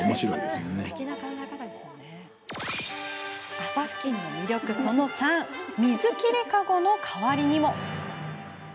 麻ふきんの魅力、その３水切り籠の代わりにも。